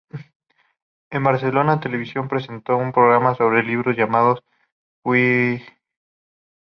En Barcelona Televisió presentó un programa sobre libros llamado "Qwerty".